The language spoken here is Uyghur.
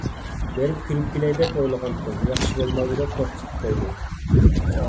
بېرىپ كۆرۈپ كېلەي دەپ ئويلىغانتىم. ياخشى بولمايدۇ، دەپ توختىتىپ قويدى.